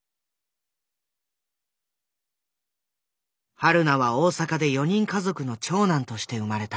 はるなは大阪で４人家族の長男として生まれた。